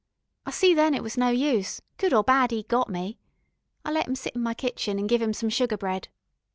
I see then it was no use, good or bad 'e'd got me. I let 'im sit in my kitchen, an' give 'im some sugar bread.